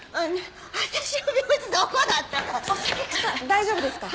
大丈夫ですか？